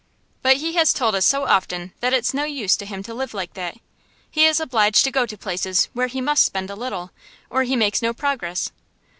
'But he has told us so often that it's no use to him to live like that. He is obliged to go to places where he must spend a little, or he makes no progress.